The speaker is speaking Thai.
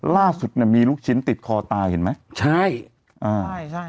ล่าสุดมีลูกชิ้นติดคอตาเห็นไหมใช่ฮ่า